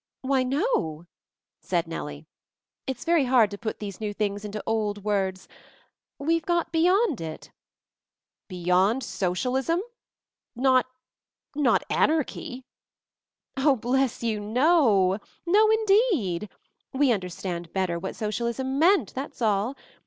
"Why, no—" said Nellie. "It's very hard to put these new things into old words — We've got beyond it." "Beyond Socialism 1 Not — not — Anar chy?" "Oh, bless you, no; no indeed! We un derstand better what socialism meant, that's all.